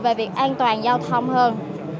về việc an toàn giao thông hơn